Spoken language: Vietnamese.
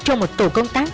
trong một tổ công tác